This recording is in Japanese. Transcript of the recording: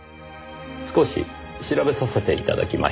少し調べさせて頂きました。